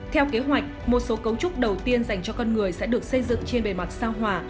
theo kế hoạch một số cấu trúc đầu tiên dành cho con người sẽ được xây dựng trên bề mặt sao hòa